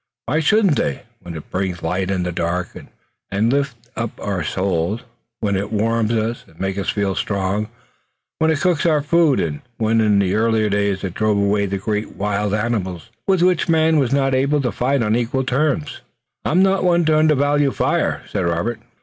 Why shouldn't they when it brings light in the dark, and lifts up our souls, when it warms us and makes us feel strong, when it cooks our food and when in the earlier day it drove away the great wild animals, with which man was not able to fight on equal terms?" "I am not one to undervalue fire," said Robert.